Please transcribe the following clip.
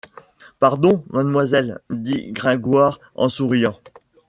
Pardon, mademoiselle, dit Gringoire en souriant.